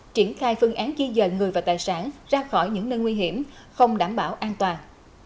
tận người và tài sản ra khỏi những nơi nguy hiểm không đảm bảo an toàn